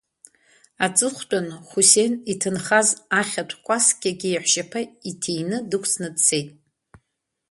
Аҵыхәтәан, Хусен иҭынхаз ахьатә кәасқьагьы иаҳәшьаԥа иҭины дықәҵны дцеит.